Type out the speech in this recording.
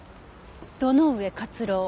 「堂上克郎」